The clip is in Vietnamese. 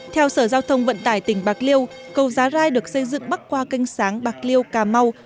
theo sở giao thông vận tải tỉnh bạc liêu cầu giá rai được xây dựng bắc qua kênh sáng bạc liêu cà mau